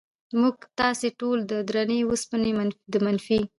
موږ تاسې ټول د درنې وسپنې د منفي